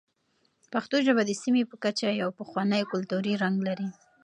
پښتو ژبه د سیمې په کچه یو پخوانی کلتوري رنګ لري.